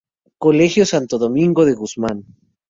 Colegio Santo Domingo de Guzmán